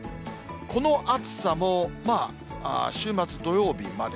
この暑さもまあ、週末土曜日まで。